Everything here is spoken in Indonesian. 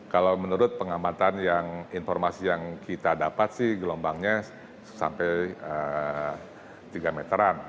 kalau menurut pengamatan yang informasi yang kita dapat sih gelombangnya sampai tiga meteran